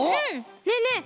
ねえねえ